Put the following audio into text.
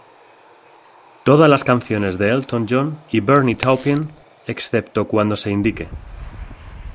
Todas las canciones de Elton John y Bernie Taupin, excepto cuando se indique.